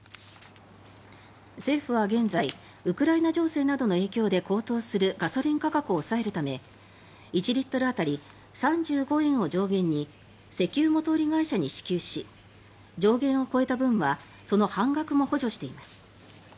政府は現在ウクライナ情勢などの影響で高騰するガソリン価格を抑えるため１リットル当たり３５円を上限に石油元売り会社に支給し上限を超えた分はその半額も補助しています。